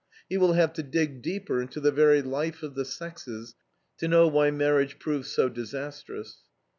He will have to dig deeper into the very life of the sexes to know why marriage proves so disastrous.